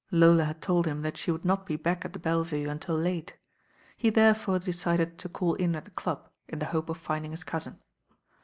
Lola had told him that she would not be back at the Belle Vue until late. He therefore decided LADY DREWITFS ALARM 889 K to call in at the club in the hope of finding his cousin.